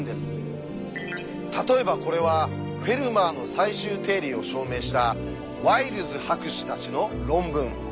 例えばこれは「フェルマーの最終定理」を証明したワイルズ博士たちの論文。